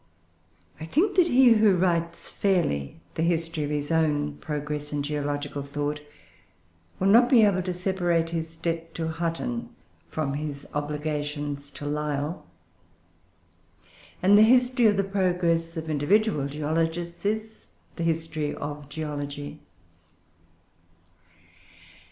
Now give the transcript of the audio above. I think that he who writes fairly the history of his own progress in geological thought, will not be able to separate his debt to Hutton from his obligations to Lyell; and the history of the progress of individual geologists is the history of geology.